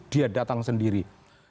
dia datang sendiri